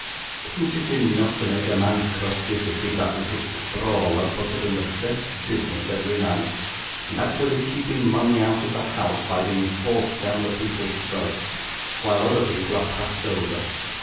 'Isn't it enough to make a man crusty to see that little sprawler put up in the best business every night, and actually keeping money out of the house, by being forced down the people's throats, while other people are passed over?